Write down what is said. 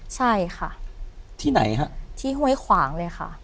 ใช่ค่ะที่ไหนฮะที่ห้วยขวางเลยค่ะ